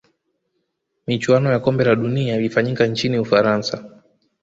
michuano ya kombe la dunia ilifanyika nchini ufaransa